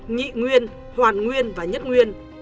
nhị nguyên hoàn nguyên và nhất nguyên